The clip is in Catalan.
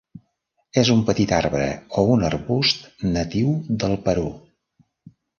És un petit arbre o un arbust natiu del Perú.